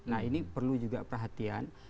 nah ini perlu juga perhatian